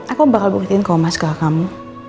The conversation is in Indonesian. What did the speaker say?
aku bakal buktiin kau mas ke kakak kamu